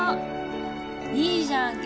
いいじゃん健太。